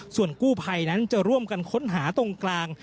ส่วนกู้ภัยนั้นจะร่วมกันค้นหาตรงกลาง